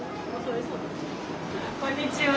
こんにちは。